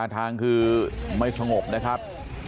ทางคือไม่สงบนะครับ